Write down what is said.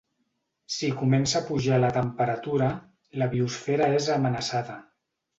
Si comença a pujar la temperatura, la biosfera és amenaçada.